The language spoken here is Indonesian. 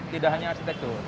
tidak hanya arsitekturnya